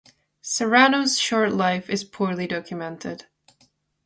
Cyrano's short life is poorly documented.